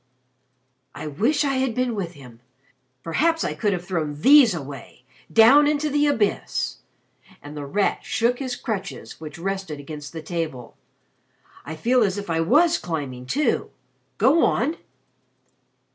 "I wish I'd been with him! Perhaps I could have thrown these away down into the abyss!" And The Rat shook his crutches which rested against the table. "I feel as if I was climbing, too. Go on."